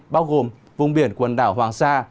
bao gồm vùng biển quần đảo hoàng sa